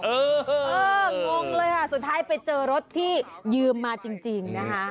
เอองงเลยค่ะสุดท้ายไปเจอรถที่ยืมมาจริงนะคะ